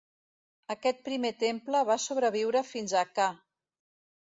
Aquest primer temple va sobreviure fins a ca.